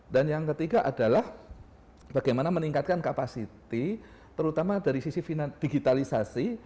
dan yang ketiga adalah bagaimana meningkatkan kapasiti terutama dari sisi digitalisasi